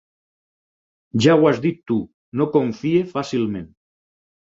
Ja ho has dit tu, no confia fàcilment.